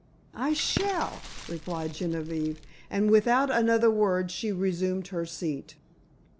"I shall!" replied Genevieve, and without another word she resumed her seat.